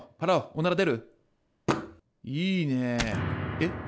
えっ？